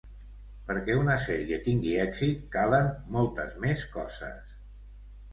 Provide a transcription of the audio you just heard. Perquè una sèrie tingui èxit, calen moltes més coses.